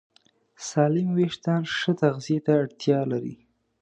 سالم وېښتيان ښه تغذیه ته اړتیا لري.